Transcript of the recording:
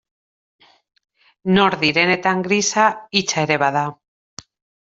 Nor direnetan grisa hitsa ere bada.